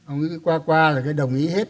ông ấy qua qua đồng ý hết